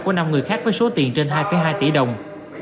của năm người khác với số tiền trên hai hai tỷ đồng